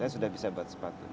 saya sudah bisa buat sepatu